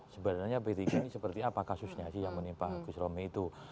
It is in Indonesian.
sebenarnya p tiga ini seperti apa kasusnya sih yang menimpa gus romi itu